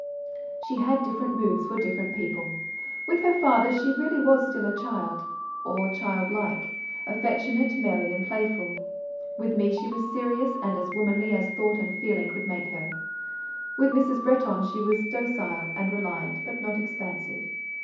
She had different moods for different people. With her father she really was still a child, or child like, affectionate, merry, and playful. With me she was serious, and as womanly as thought and feeling could make her. With Mrs. Bretton she was docile and reliant, but not expansive.